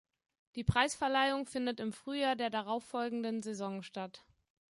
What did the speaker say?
Die Preisverleihung findet im Frühjahr der darauffolgenden Saison statt.